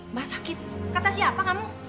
mbah sakit kata siapa kamu